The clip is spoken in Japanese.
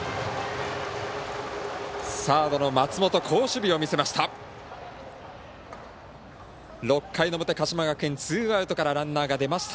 サードの松本好守備を見せました。